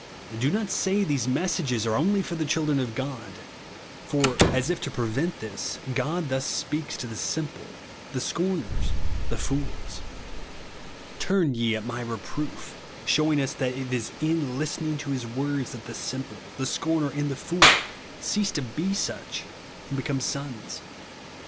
Do not say these messages are only for the children of God ; for, as if to prevent this, God thus speaks to the "simple," the "scorners," the fools, "Turn ye at my re proof;" shewing us that it is in listening to His v/ords that the simple, the scorner, and the fool cease to be such and become sons.